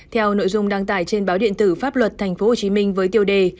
theo nội dung đăng tải trên báo điện tử pháp luật tp hcm với tiêu đề